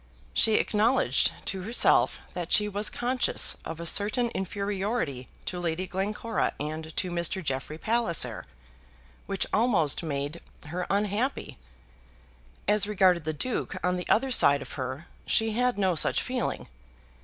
She acknowledged to herself that she was conscious of a certain inferiority to Lady Glencora and to Mr. Jeffrey Palliser, which almost made her unhappy. As regarded the Duke on the other side of her, she had no such feeling.